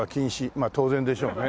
まあ当然でしょうね。